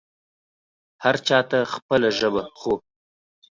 هر چا ته خپله ژبه خو